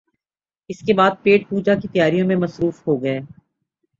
اس کے بعد پیٹ پوجا کی تیاریوں میں مصروف ہو گئے